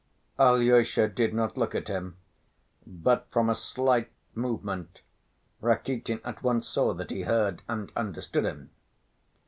Alyosha did not look at him, but from a slight movement Rakitin at once saw that he heard and understood him.